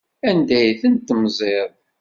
Anda ay tent-temziḍ?